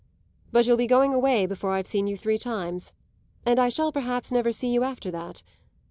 But you'll be going away before I've seen you three times, and I shall perhaps never see you after that.